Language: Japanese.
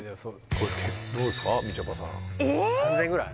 これどうですかみちょぱさん３０００円ぐらい？